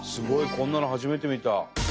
こんなの初めて見た。